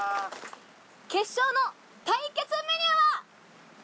決勝の対決メニューは。